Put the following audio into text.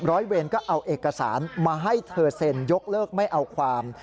ร้อยเวรก็เอาเอกสารมาให้เธอเซ็นยกเลิกไม่เอาความ